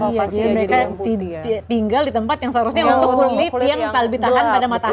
mereka tinggal di tempat yang seharusnya untuk kulit yang lebih tahan pada matahari